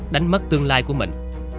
đánh mất tương lai của mình